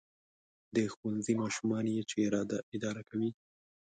• د ښوونځي ماشومان یې چې اداره کوي.